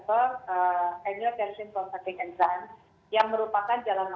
kondisi infeksi tersebut